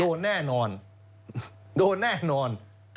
โดนแน่นอนโดนแน่นอน